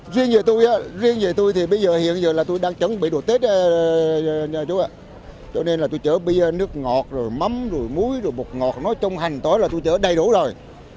riêng về tôi hiện giờ là tôi đang chẳng bị đổ tết cho nên là tôi chở bia nước ngọt mắm múi bột ngọt nói chung hành tối là tôi chở đầy đủ rồi